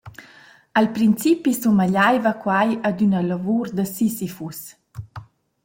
Al principi sumagliaiva quai ad üna lavur da Sisifus.